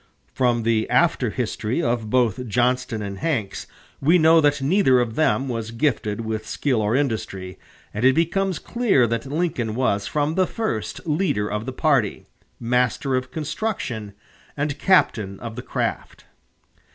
From the after history of both Johnston and Hanks, we know that neither of them was gifted with skill or industry, and it becomes clear that Lincoln was from the first leader of the party, master of construction, and captain of the craft.